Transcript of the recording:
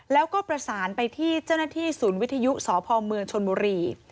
แล้วก็ประสานไปที่เจ้าหน้าที่ศูนย์วิทยุสพเมืองชนบุรี